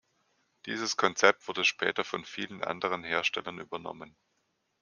Dieses Konzept wurde später von vielen anderen Herstellern übernommen.